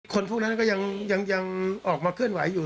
คนพวกนั้นก็ยังออกมาเคลื่อนไหวอยู่